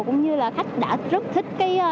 cũng như là khách đã rất thích